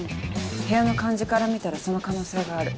部屋の感じから見たらその可能性がある。